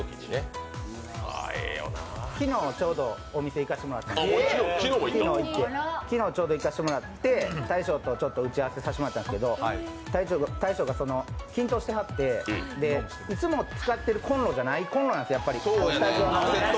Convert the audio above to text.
昨日ちょうどお店行かせてもらって、大将と打ち合わせさせてもらったんですけど大将が緊張してはって、いつも使ってるコンロじゃないコンロなんです、スタジオの。